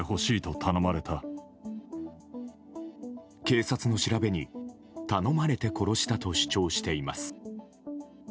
警察の調べに、頼まれて殺したと主張しています。